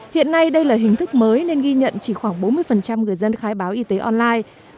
hiện nay đây là hình thức mới nên ghi nhận chỉ khoảng bốn mươi người dân khai báo y tế online